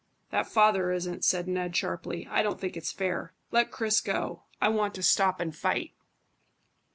"That father isn't," said Ned sharply. "I don't think it's fair. Let Chris go. I want to stop and fight."